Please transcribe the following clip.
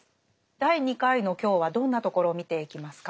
第２回の今日はどんなところを見ていきますか？